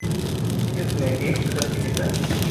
It is native to The Philippines.